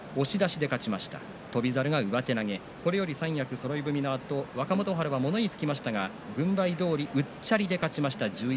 これより三役そろい踏みのあと若元春は物言いがつきましたが軍配どおりうっちゃりで勝ちました。